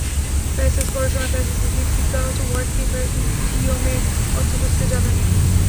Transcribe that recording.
Passage পড়ার সময় প্যাসেজের ডিফিকাল্ট ওয়ার্ড কিংবা ইডিয়মের অর্থ খুঁজতে যাবেন না।